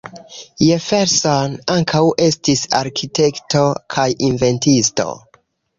Jefferson ankaŭ estis arkitekto kaj inventisto.